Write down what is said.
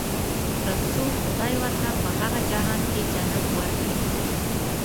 تر څو خدای ورته په هغه جهان کې جنت ورکړي.